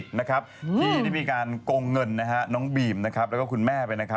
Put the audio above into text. ที่มีการกงเงินน้องบีมและคุณแม่